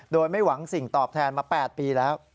โดยไม่หวังสิ่งตอบแทนมา๘ปีแล้ว